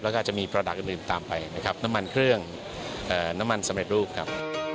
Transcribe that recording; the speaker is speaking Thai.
แล้วก็จะมีประดับอื่นตามไปนะครับน้ำมันเครื่องน้ำมันสำเร็จรูปครับ